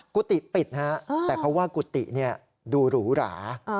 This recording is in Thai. กุฏิปิดนะฮะแต่เขาว่ากุฏิดูหรูหรา